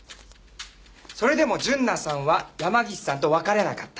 それでも純奈さんは山岸さんと別れなかった。